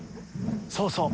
そうそう。